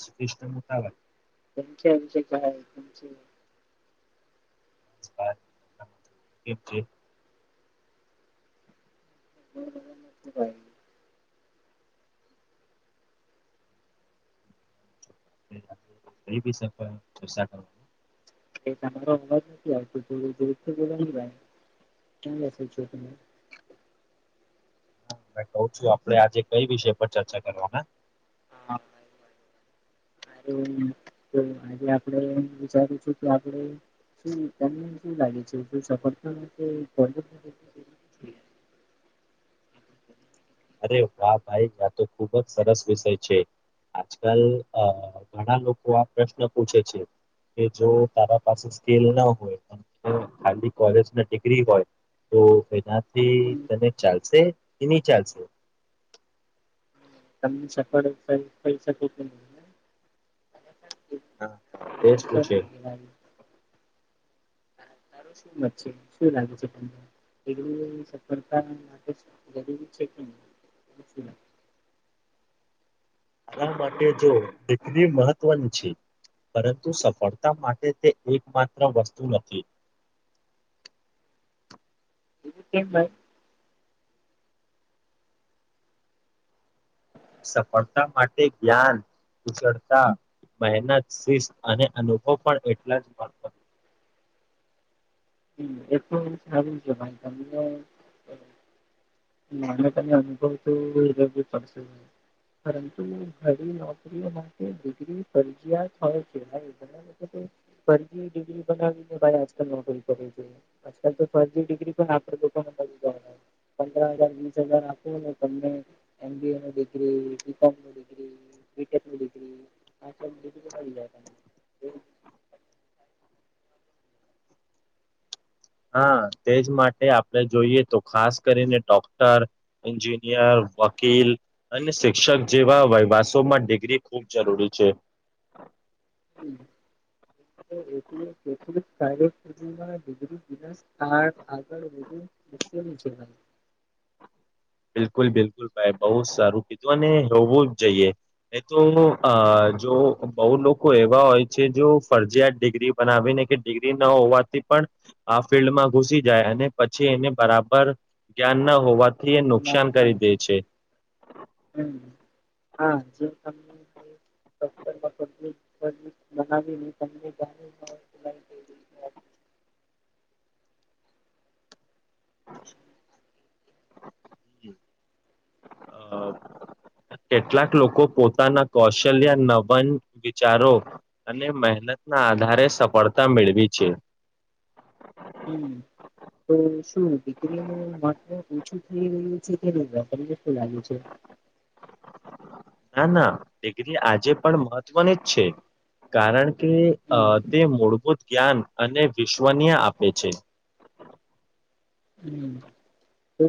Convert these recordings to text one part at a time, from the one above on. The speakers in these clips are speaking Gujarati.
સ્ફિસ્ટ મુતાબત [unintelligible] [unintelligible] [unintelligible] કઈ બી સફર [unintelligible] એ તમારો અવાજ નથી આવતો થોડું જોરથી બોલો ને ભાઈ. [unintelligible] કઉ છું આપડે આજે કઈ વિષય પર ચર્ચા કરવાના? હા. આરેના તો આજે આપડે વિચારું છું કે આપડે શું તને શું લાગે છે સફળતા [inaudible] અરે વા ભાઈ આ તો ખૂબ જ સરસ વિષય છે. આજકાલ અ ઘણા લોકો આ પ્રશ્ન પૂછે છે. કે જો તારા પાસે સ્કેલ ના હોય તો ખાલી કોલેજ ન ડિગ્રી હોય તો એનાથી તને ચાલશે કે નહી ચાલશે. તમને સફળ થઈ થઈ શકે હા તેસ પૂછે. હા તારો શુંદર છે શું લાગે છે તમને એ સફળતા માટે જરૂરી છે કે પછીના. આના માટે જો દીકરી મહત્વની છે. પરંતુ સફળતા માટે તે એકમાત્ર વસ્તુ નથી. [inaudible] એ કે સફળતા માટે જ્ઞાન કુશળતા મહેનત શિસ્ત અને અનુભવ પણ એટલા જ હમ એટલું છે ભાઈ તમને મને તને અનુભવતું પડશે પરંતુ ઘણી નોકરીઓ માટે ડિગ્રી ફરજીયાત હોય છે. ફરજી ડિગ્રી બનાવીને ભાઈ આજકાલ નોકરી આજકાલ તો ફરજી ડિગ્રી પણ આપ લોકો પંદ્રા હજાર વીસ હજાર આપોને તમને એમ બી એ ની ડિગ્રી બીકોમ નિ ડીગ્રી બીટેક ની ડિગ્રી આજકાલ મળી જાય. [inaudible] હા તેજ માટે આપડે જોઈએ તો ખાસ કરીને ડોક્ટર એન્જિનિયર વકીલ અને શિક્ષક જેવા વાઈ વાસોમાં ડિગ્રી ખૂબ જરૂરી છે. હમ. ડિગ્રી વિના આગળ વધવુ મુશ્કેલી છે. બિલકુલ બિલકુલ ભાઈ બહુ સારું કીધું અને હોવું જ જઈએ એ તો અ જો બહુ લોકો એવા હોય છે જો ફરજીયાત ડિગ્રી બનાવીને કે ડિગ્રી ન હોવાથી પણ આ ફિલ્ડમાં ઘુસી જાય અને પછી એને બરાબર જ્ઞાન ના હોવાથી નુકસાન કરી દે છે. હમ. હા જે. [unintelligible] મહાવી તનેલા. [unintelligible] [inaudible] હ. અ કેટલાક લોકો પોતાના હા. કૌશલ્ય નવન વિચારો અને મહેનતના આધારે સફળતા મેળવી છે. હમ. તો શું દીકરીનું માત્વ ઓછું થઈ રહ્યું છે તે વેપારી લાગે છે. [inaudible] ના ના ડિગરી આજે પણ મહત્વની જ છે કારણ કે અ હમ તે મૂળભુત જ્ઞાન અને વિશ્વનીય આપે છે. હમ તો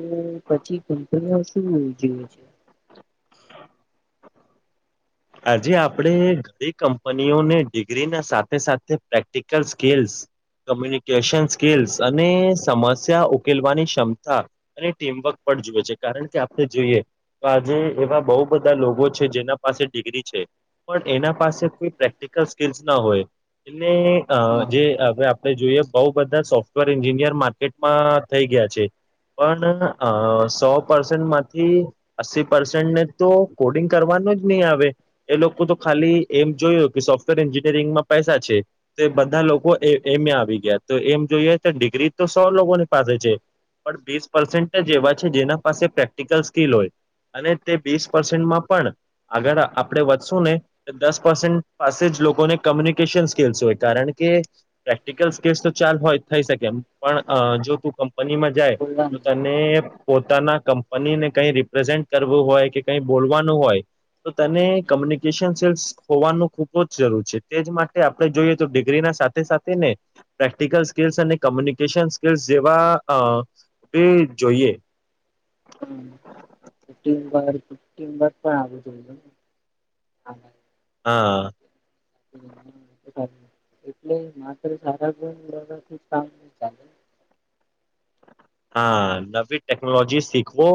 પછી કંપનીઓ શું જુએ છે. [inaudible] આજે આપણે ઘણી કંપનીઓને ડિગ્રી ના સાથે સાથે પ્રેક્ટિકલ સ્કીલ્સ કમ્યુનિકેશન સ્કીલ્સ અને સમસ્યા ઉકેલવાની ક્ષમતા અને ટીમવર્ક એ છે કારણ કે આપણે જોઈએ તો આજે એવા બહ બધા લોકો છે જેના પાસે છે પણ એના પાસે કોઈ પ્રેક્ટિકલ સ્કીલ ના હોય. હા જે હ. આપણે જોઈએ બઉુ બધા સોફ્ટવેર એન્જિનિયર માર્કેટમાં થઈ ગયા છે. પણ સો પર્સેન્ટ માંથી અસ્સી પર્સેન્ટને તો કોડિંગ કરવાનું જ નહી આવે. એ લોકો તો ખાલી એમ જોયું કે સોફ્ટવેર એન્જિનિયરિંગમાં પૈસા છે તો એ બધા લોકો એમ આવી ગયા તો એમ જોઈએ તો ડિગ્રી તો સૌ લોકોની પાસે છે. પણ બીસ પસેન્ટ જ હમ એવા છે જેના પાસે પ્રેક્ટિકલ સ્કીલ હોય. અને તે વીસ પસેન્ટમાં પણ આગળ આપ વધશું ને દસ પસેન્ટ પાસે જ લોકોને કોમ્યુનિકેશન સ્કીલ્સ હોય કારણ કે પ્રેક્ટિકલ સ્કી તો ચાલ હોય થઈ શકે એમ પણ જો તું પની માં જાય તો બોલવાનું તને પોતાના કંપનીને કઈ રિપ્રેઝેન્ટ કરવું હોય કે કઈ બોલવાનું હોય તો તને હમ કમ્યુનિકેશન સ્કિલ્લ્સ હોવાનું ખૂબ જ જરૂર છે તેજ માટે આપણે જોઈએ તો ડિગ્રી ના સાથે સાથે ને પ્રેક્ટિકલ સ્ક અને કોમ્યુનિકેશન સ્કસ જેવા જોઈએ હમ ુર પણ આવું જોઈને હા હમ એટલે માત્ર સારા ગણ કામ નહી ચાલે હા નવી ટેકનોલોજી શીખવો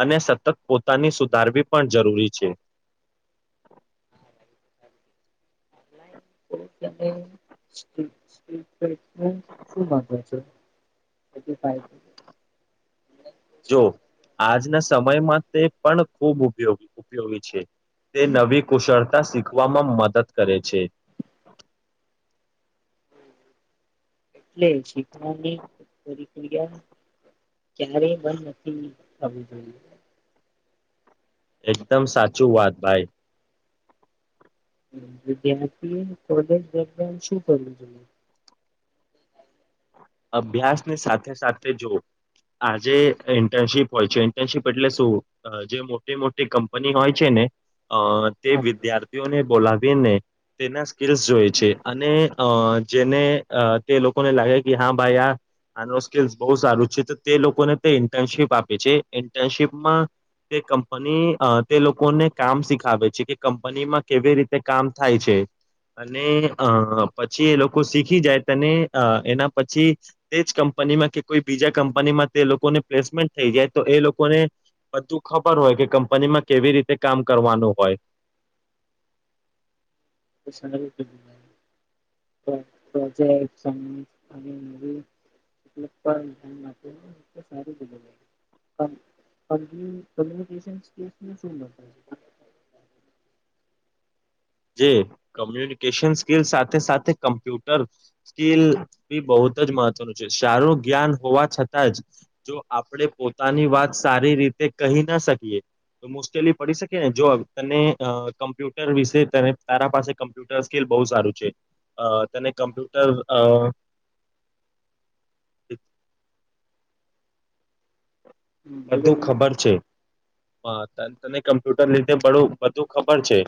અને સતત પોતાની સુધારવી પણ જરૂરી છે આપલા શ માવ છે એ ફાઈ જો આજના સમયમાં તે પણ ખૂબ ઉપયોગ ઉપયોગી છે તે નવી કુશળતા શીખવામાં મદદ કરે છે હમ એટલે શીખવાની પ્રિક્રિયા ક્યારેય બંધ નથી આવવું જોઈએ એકદમ સાચું વાત ભાઈ વિદ્યાર્થી એ કોલેજ વ શું કરવું જોઈએ અભ્યાસ ની સાથે સાથે જો આજે ઇન્ટર્નશીપ હોય છે ઇન્ટર્નશીપ એટલે શું જે મોટી મોટી કંપની હોય છે ને અ તે હા, વિદ્યાર્થીઓને બોલાવીને તેના સ્કીલ્સ જોય હા, છે અને અ જેને તે લોકોને લાગે કે હા ભાઈ આ આનો સ્કીલસ બહુ સારું છે તો તે લોકોને તે ઇન્ટર્નશીપ આપે છે ઇન્ટર્નશીપમાં તે કંપની તે લોકોને કામ શીખાવે છે કે કંપનીમાં કેવી રીતે કામ થાય છે અને અ પછી એ લોકો શીખી જાય તને એના પછી તે જ કંપનીમાં કે કોઈ બીજા કંપનીમાં તે લોકોને પ્લેસમેન્ટ થઈ જાય તો એ લોકોને બધું ખબર હોય કે કંપનીમાં કેવી રીતે કામ કરવાનું હોય તો સારું કીધું. પ્રોજેક્ટ અને એટલે પણ ધ્યાન માટેને એ સારી જગ મ્યુનિકન શું જે કમ્યુનિકેશન સ્કીિલ સાથે સાથે કમ્પ્યુટર સ્કીિલ બી બહ બ જ મહત્વનું છે સારું જ્ઞાન હોવા છતાં જ જો આપણે પોતાની વાત સારી રીતે કહી ના શકીએ મોસ્ટલી પડી શકેને જો તને કમ્પ્યુટર વિશે તારા પાસે કમ્પ્યુટર સ્કિલ બહુ સારું છે તેને કમ્પ્યુટર અ [unintelligible] [inaudible] હમ, બોલો બધું બોલો ખબર છે હા તને કમ્પ્યુટર લીધે બધું ખબર છે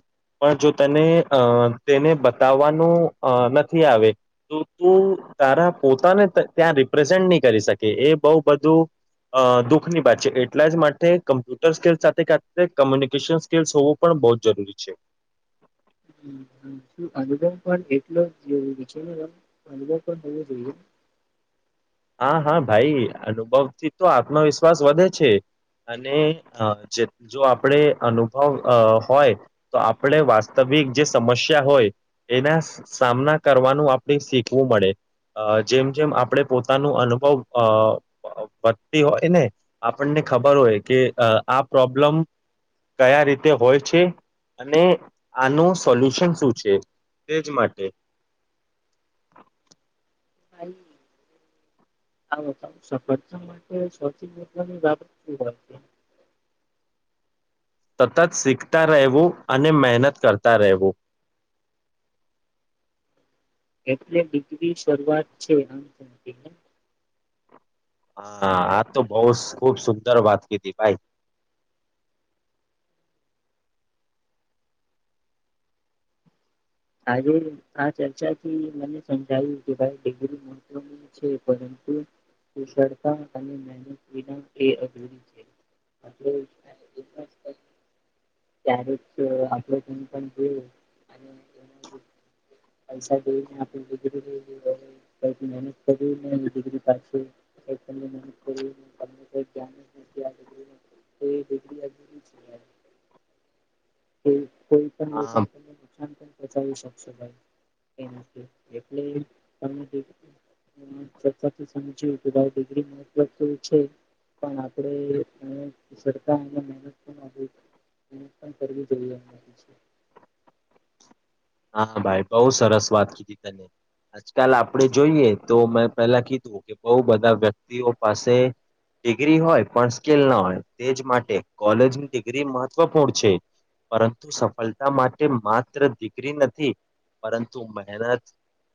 પણ જો તને અ તેને બતાવવાનું નથી આવે તો તું તારા પોતાને ત્યાં રિપ્રેઝેન્ટ નહી કરી શકે એ બહ બધું અ દુખ દખની વાત છે એટલા જ માટે કમ્પ્યુટર સ્કલ સાથે સાથે કોમ્યુનિકેશન સ્કલસ હોવું પણ બહુ જરૂરી છે [unintelligible] શ અનુભવ પણ એટલો જરી છે અનુવ પણ હોવો જોઈએ [unintelligible] [inaudible] હા હા ભાઈ અનુભવથી તો આત્મવિશ્વાસ વધે છે અને અ જ જો આપણે અનુભવ હોય અ તો આપણે વાસ્તવિક વિકજે સમસ્યા હોય એના સામના કરવાનું આપણે શીખવું મળે અ જેમ જેમ આપણે પોતાનું અનુભવ અ વધતી હોય ને આપણને ખબર હોય કે અ આ પ્રોબ્લેમ કયા રીતે હોય છે અને આનું સોલ્યુશન શું છે તેજ માટે ભાઈ આવ બ સફળતા માટે સૌથીવાની બાબત શું હોય છે સતત શીખતા રહેવું અને મહેનત કરતા રહેવું [unintelligible] [inaudible] એટલે ડિગ્રી શરૂઆત છે આમ હા આજ તો બહુ ખુબ સુંદર વાત કીધી ભાઈ [unintelligible] [inaudible] આજે આ ચર્ચાથી મને સમજાવ્યું કે ભાઈ ડિગ્રી મની છે પર કુશળતા અને મનત વિના એ અધૂરી છે [unintelligible] [unintelligible] ત્યારે જ આપડ પણ જોયું અને [inaudible] પૈસા દઈને આપ ડિગ્રી લ મહેનત કરી ડિગ્રી પા [inaudible] પંદરો એક્યા [inaudible] એ ડિગ્રી છે [inaudible] કોઈ પણ હા લોકોને તમને નુકસાન પણ પહોચાાવી શકશે ભાઈ [unintelligible] [unintelligible] સમજ્યું કે ભિગ્રી મતલબ કેવું છે [inaudible] પણ આપણેતા મહેનત પણ [inaudible] એ પણ કરવીું જોઈએ હા ભાઈ બહુ સરસ વાત કીધી તને આજકાલ આપણેે જોઈએ તો મેં પેલા કીધું કે બહુ બધા વ્યક્તિઓ પાસે ડિગ્રી હોય પણ સ્કીલ ના હોય તેજ માટે કોલેજની ડિગ્રી મહત્વપૂર્ણ છે પરંતુ સફળતા માટે માત્ર ડિગ્રી નથી પરંતુ મહેનત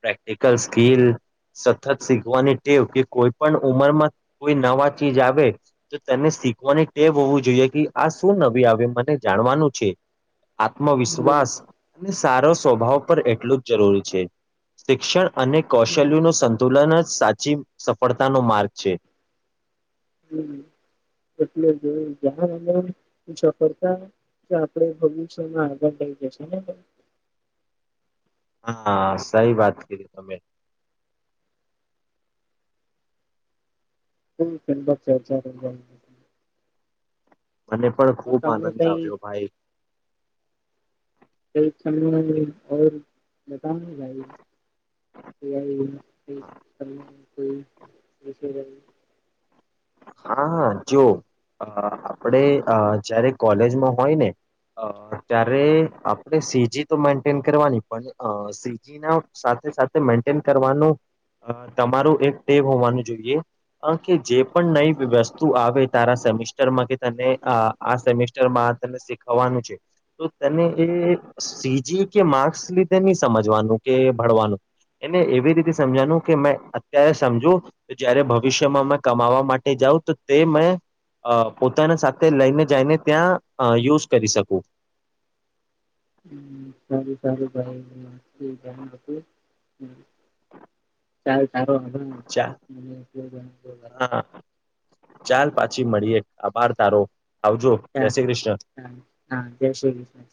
પ્રેક્ટિકલ સ્કીલ સતત શીખવાની ટેવ કે કોઈ પણ ઉંમરમાં કોઈ નવા ચીજ આવે તો તેને શીખવાની ટે હોવું જોઈએ કે આ શું નવી આવે મને જાણવાનું છે આત્મવિશ્વાસ અને સારો સ્વભાવ પર એટલું જ જરૂરી છે શિક્ષણ અને કૌશલ્યનું સંતુલન જ સાચી સફળતાનો માર્ગ છે હમ એટલે જ [inaudible] સફરતા તો આપડે ભવિષ્યમાં આગળ લઈ જશે ને હા સહી વાત કરી તમે હમભ ચર્ચા [inaudible] મને પણ ખૂબ તમ આનંદ કઈ આવ્યો ભાઈ. ક બતાને [inaudible] [inaudible] [inaudible] હા હા જો અ આપણે અ જયારે કોલેજમાં હોય ને અ ત્યારે આપણે સીજી તો મેન્ટેન કરવાની પણ‌ અ સીજી ના સાથે સાથે મેન્ટેન કરવાનું અ તમારું એક ટેબ હોવાનું જોઈએ કે જે પણ નઈ વસ્તુ આવે તારા સેમેસ્ટરમાં કે તને આ સેમેસ્ટરમાં શીખવાનું છે તો તને એ તે સીજી કે માર્ક્સ લીધે નહી સમજવાનું કે ભણવાનું એને એવી રીતે સમજનું કે મે અત્યારે સમજું જયારે ભવિષ્યમાં મે કમાવામાં માટે જાઉ તો તે મેં અ પોતાના સાથે લઈને જઈને ત્યાં યુઝ કરી શકું. હ હ સારું સારું ભાઈણ હતું. ચાલ સારો હ ચા મને છી મળીએ. આભાર તારો આવજો જય ચાલ શ્રી કૃષ્ણ. ચાલ. હા જય શ્રી કૃષ્ણ